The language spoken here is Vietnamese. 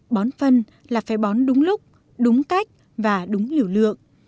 bón phân là phải bón đúng lúc đúng cách và đúng liều lượng